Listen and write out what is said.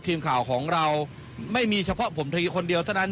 ทีมข่าวของเราไม่มีเฉพาะผมทรีย์คนเดียวเท่านั้น